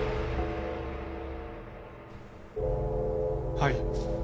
はい。